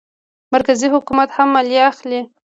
مرکزي حکومت هم مالیه اخلي.